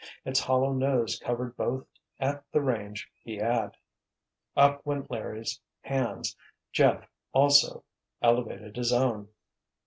Its hollow nose covered both at the range he had. Up went Larry's hands. Jeff, also, elevated his own.